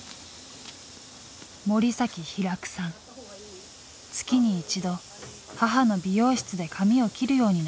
月に１度母の美容室で髪を切るようになりました。